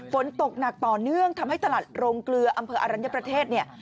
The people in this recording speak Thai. ฝนตกหนักต่อเนื่องทำให้ตลาดโรงเกลืออำเภออรัญญประเทศเนี่ย